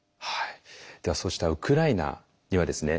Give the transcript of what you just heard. ではそうしたウクライナにはですね